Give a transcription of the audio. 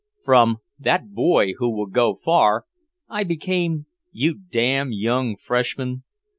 From "that boy who will go far" I became "you damn young freshman."